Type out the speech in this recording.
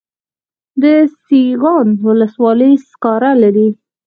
د سیغان ولسوالۍ سکاره لري